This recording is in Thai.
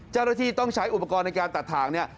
เจ้าหน้าที่ต้องใช้อุปกรณ์ในการตัดถ่างเนี่ย